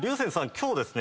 今日ですね